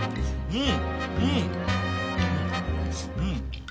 うん！